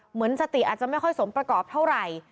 เหมือนสติอาจจะไม่ค่อยสมประกอบเท่าไหร่